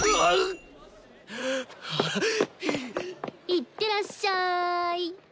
行ってらっしゃい！